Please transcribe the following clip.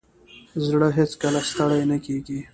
زړه هیڅکله ستړی نه کېږي.